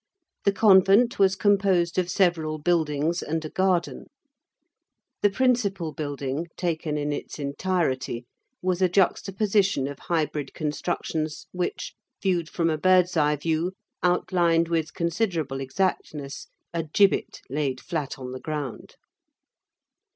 The convent was composed of several buildings and a garden. The principal building, taken in its entirety, was a juxtaposition of hybrid constructions which, viewed from a bird's eye view, outlined, with considerable exactness, a gibbet laid flat on the ground.